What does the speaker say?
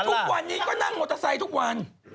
ทุกวันนี้ก็นั่งมอเตอร์ไซค์ทุกวัน